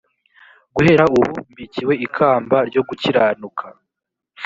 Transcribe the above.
guhera ubu mbikiwe ikamba ryo gukiranuka